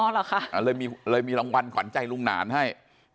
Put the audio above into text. เหรอคะเลยมีรางวัลขวัญใจลุงหนานให้